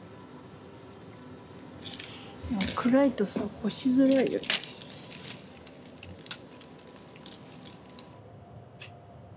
暗いとさ干しづらいよね。